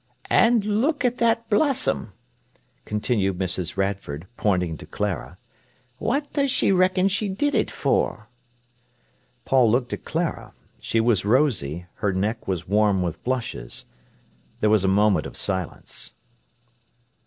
"And look at that blossom!" continued Mrs. Radford, pointing to Clara. "What does she reckon she did it for?" Paul looked at Clara. She was rosy; her neck was warm with blushes. There was a moment of silence.